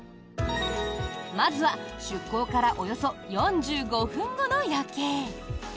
まずは、出航からおよそ４５分後の夜景。